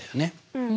うん。